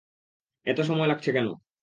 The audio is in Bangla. এতো সময় লাগছে কেন।